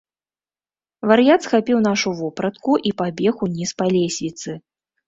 Вар'ят схапіў нашу вопратку і пабег уніз па лесвіцы.